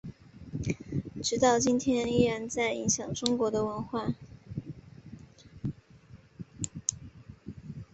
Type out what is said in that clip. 直到今天依然在影响中国的文化。